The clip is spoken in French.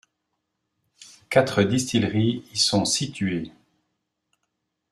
Quatre distilleries y sont situées.